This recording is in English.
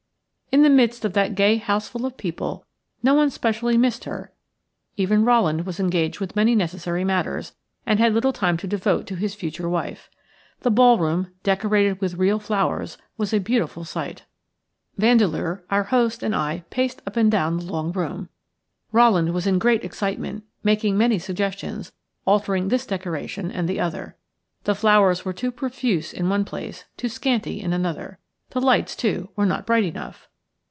In the midst of that gay houseful of people no one specially missed her; even Rowland was engaged with many necessary matters, and had little time to devote to his future wife. The ball room, decorated with real flowers, was a beautiful sight. Vandeleur, our host, and I paced up and down the long room. Rowland was in great excitement, making many suggestions, altering this decoration and the other. The flowers were too profuse in one place, too scanty in another. The lights, too, were not bright enough.